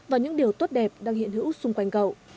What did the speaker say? và những điều tốt đẹp đang hiện hữu xung quanh cậu